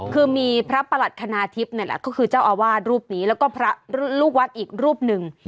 คือมีพระประหลัดคณาทิพย์นี่แหละก็คือเจ้าอาวาสรูปนี้แล้วก็พระลูกวัดอีกรูปหนึ่ง